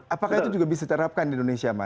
apakah itu juga bisa diterapkan di indonesia mas